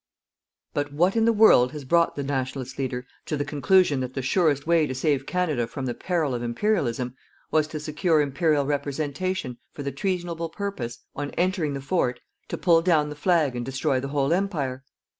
But what in the world has brought the "Nationalist" leader to the conclusion that the surest way to save Canada from the peril of Imperialism was to secure Imperial representation for the treasonable purpose, on entering the fort, to pull down the flag and destroy the whole Empire?